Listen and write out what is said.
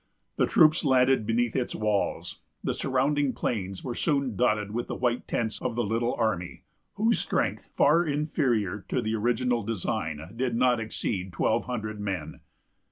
The troops landed beneath its walls. The surrounding plains were soon dotted with the white tents of the little army, whose strength, far inferior to the original design, did not exceed twelve hundred men.